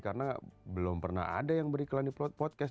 karena belom pernah ada yang berikhlan di podcast